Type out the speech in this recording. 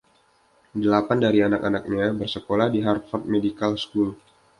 Delapan dari anak-anaknya bersekolah di Harvard Medical School.